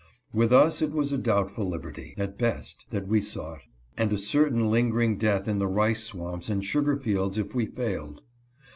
With us it was a doubtful liberty, at best, that we sought, and a certain lingering death in the rice swamps and sugar fields if we failed.